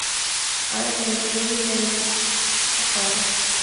أَرَاك لَا تُبَالِي مَا لَبِسْت ؟ فَقَالَ